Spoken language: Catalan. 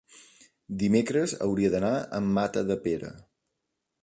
dimecres hauria d'anar a Matadepera.